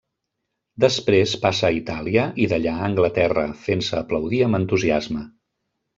Després passa a Itàlia i d'allà a Anglaterra, fent-se aplaudir amb entusiasme.